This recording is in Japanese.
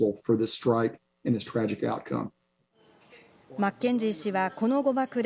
マッケンジー氏はこの誤爆で